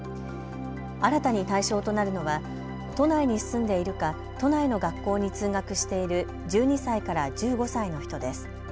新たに対象となるのは都内に住んでいるか都内の学校に通学している１２歳から１５歳の人です。